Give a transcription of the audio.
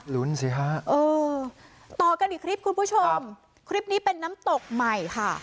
สิฮะเออต่อกันอีกคลิปคุณผู้ชมคลิปนี้เป็นน้ำตกใหม่ค่ะ